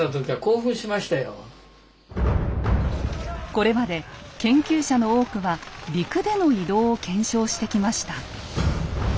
これまで研究者の多くは陸での移動を検証してきました。